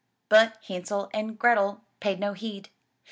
But Hansel and Grethel paid no heed.